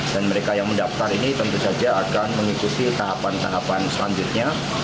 mereka yang mendaftar ini tentu saja akan mengikuti tahapan tahapan selanjutnya